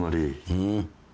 うん？